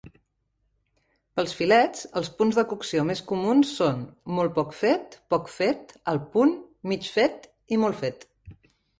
Pels filets, els punts de cocció més comuns són "molt poc fet", "poc fet", "al punt", "mig fet" i "molt fet".